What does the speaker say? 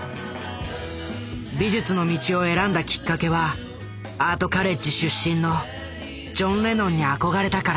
美術の道を選んだきっかけはアートカレッジ出身のジョン・レノンに憧れたから。